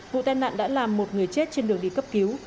vụ tai nạn đã làm một người chết trên đường đi cấp cứu